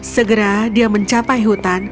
segera dia mencapai hutan